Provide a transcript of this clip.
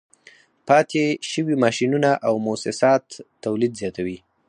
پاتې شوي ماشینونه او موسسات تولید زیاتوي